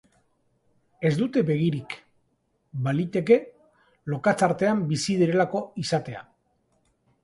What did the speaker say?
Ez dute begirik, baliteke lokatz artean bizi direlako izatea.